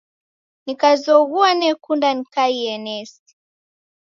Nikazoghua nekunda nikaie nesi.